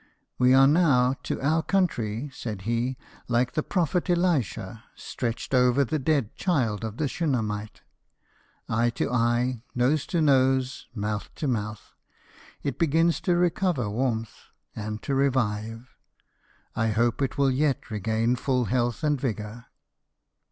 " We are now to our country," said he, "like the prophet Elisha, stretched over the dead child of the Shunammite — eye to eye, nose to nose, mouth to mouth. It begins to recover warmth, and to revive: I hope it will yet regain full health and vigour."